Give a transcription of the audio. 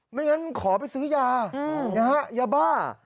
ไม่งั้นขอไปซื้อยาอย่าบ้า